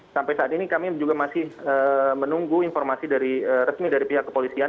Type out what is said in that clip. sampai saat ini kami juga masih menunggu informasi resmi dari pihak kepolisian